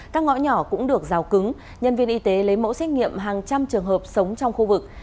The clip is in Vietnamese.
các ngõ nhỏ cũng được rào cứng nhân viên y tế lấy mẫu xét nghiệm hàng trăm trường hợp sống trong khu vực